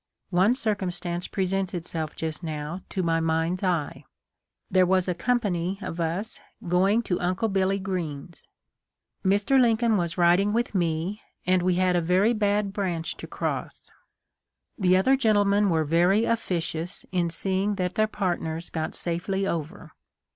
One circumstance presents itself just now to my mind's eye. There was a company of us going to Uncle 1 50 THE. LIFE OF LINCOLFT. Billy Greene's. Mr. Lincoln was riding with me, and we had a very bad branch to cross. The other gentlemen were very officious in seeing that their partners got safely over.